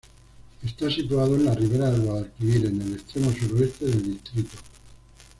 Está situado en la ribera del Guadalquivir, en el extremo suroeste del distrito.